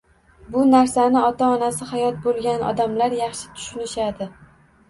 Bu narsani ota-onasi hayot bo‘lgan odamlar yaxshi tushunishadi